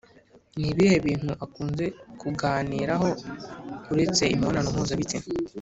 Ni ibihe bintu akunze kuganiraho uretse imibonano mpuzabitsina